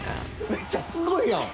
めっちゃすごいやん！